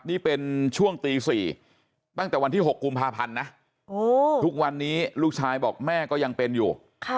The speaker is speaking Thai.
นี่เป็นช่วงตี๔ตั้งแต่วันที่๖กุมภาพันธ์นะทุกวันนี้ลูกชายบอกแม่ก็ยังเป็นอยู่